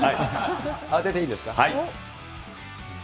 当てていいですか？